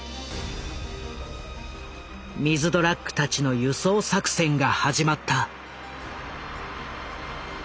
ミズドラックたちの輸送作戦が始まった。